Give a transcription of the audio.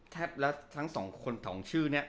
แทบแล้วทั้ง๒คนของชื่อนี้